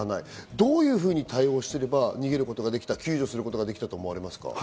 どういうふうに対応すれば逃げることができた、救助することができたと思われますか？